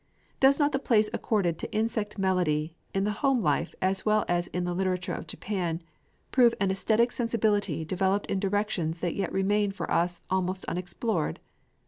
Does not the place accorded to insect melody, in the home life as well as in the literature of Japan, prove an æsthetic sensibility developed in directions that yet remain for us almost unexplored?